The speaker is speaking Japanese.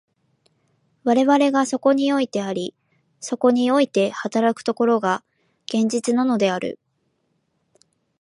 我々がそこにおいてあり、そこにおいて働く所が、現実なのである。